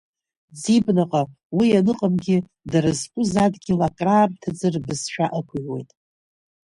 Ӡибнаҟа, уи аныҟамгьы дара зқәыз адгьыл акраамҭаӡа рбызшәа ықәыҩуеит.